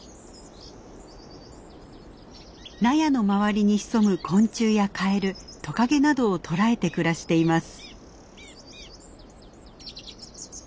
納屋の周りに潜む昆虫やカエルトカゲなどを捕らえて暮らしています。